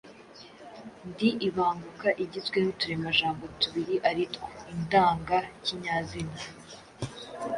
ndi ibanguka, igizwe n’uturemajambo tubiri aritwo indangakinyazina